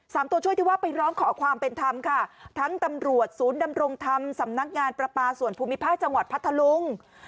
ตัวช่วยที่ว่าไปร้องขอความเป็นธรรมค่ะทั้งตำรวจศูนย์ดำรงธรรมสำนักงานประปาส่วนภูมิภาคจังหวัดพัทธลุง